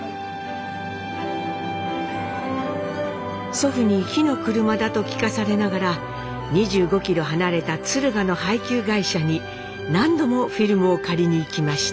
祖父に火の車だと聞かされながら２５ｋｍ離れた敦賀の配給会社に何度もフィルムを借りに行きました。